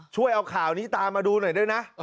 ช่วยเอาข่าวนี้ตามมาดูหน่อยด้วยนะ